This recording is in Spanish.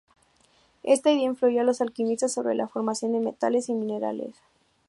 Esta idea influyó a los alquimistas sobre la formación de metales y minerales.